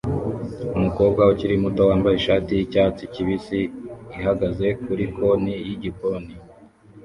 umukobwa ukiri muto wambaye ishati yicyatsi kibisi ihagaze kuri konti yigikoni